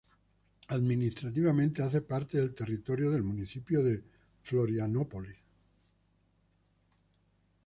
Administrativamente hace parte del territorio del Municipio de Florianópolis.